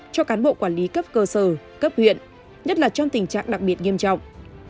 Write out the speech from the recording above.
cho cán bộ quản lý cấp cơ sở cấp huyện nhất là trong tình trạng đặc biệt nghiêm trọng